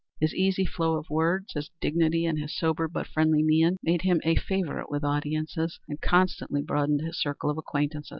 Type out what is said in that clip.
His easy flow of words, his dignity and his sober but friendly mien made him a favorite with audiences, and constantly broadened his circle of acquaintance.